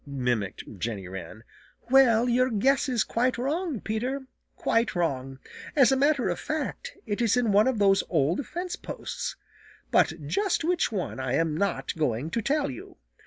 mimicked Jenny Wren. "Well, your guess is quite wrong, Peter; quite wrong. As a matter of fact, it is in one of those old fence posts. But just which one I am not going to tell you.